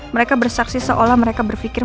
mereka bersaksi seolah mereka berpikir